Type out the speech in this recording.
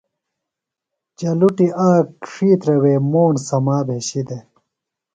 چلُٹیۡ آک ڇھیترہ وےۡ موݨ سما بھشی دےۡ۔